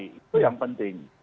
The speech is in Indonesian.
itu yang penting